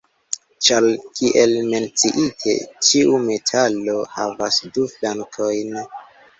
Ĉar, kiel menciite, ĉiu medalo havas du flankojn.